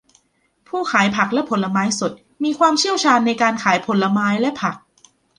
ผู้ขายผักและผลไม้สดมีความเชี่ยวชาญในการขายผลไม้และผัก